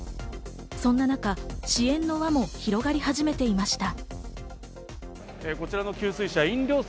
そんな中、支援の輪も広がり始めていました。